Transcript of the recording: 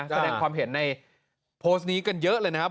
แสดงความเห็นในโพสต์นี้กันเยอะเลยนะครับ